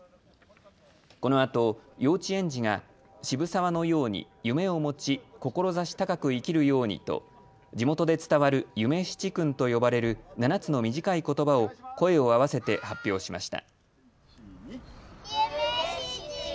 このあと幼稚園児が渋沢のように夢を持ち、志高く生きるようにと地元で伝わる夢七訓と呼ばれる７つの短いことばを声を合わせて発表しました。